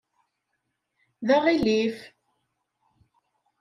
D aɣilif!